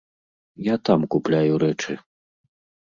Я там купляю рэчы.